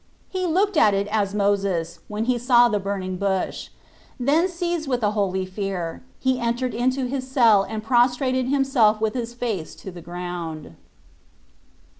He looked at it as Moses when he saw the burning bush : then seized with a holy fear, he entered into his cell and prostrated himself with his face to the ground.